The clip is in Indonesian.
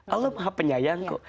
allah maha penyayangku